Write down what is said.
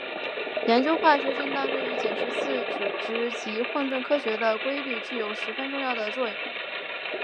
研究化学振荡对于解释自组织及混沌科学的规律具有十分重要的作用。